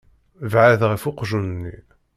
Beεεed ɣef uqjun-nni.